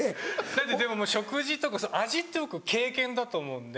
だってでももう食事とか味って僕経験だと思うんで。